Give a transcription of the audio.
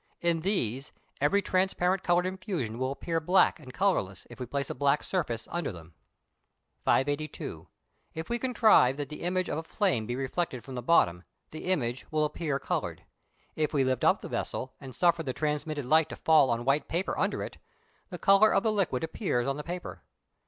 In these every transparent coloured infusion will appear black and colourless if we place a black surface under them. 582. If we contrive that the image of a flame be reflected from the bottom, the image will appear coloured. If we lift up the vessel and suffer the transmitted light to fall on white paper under it, the colour of the liquid appears on the paper.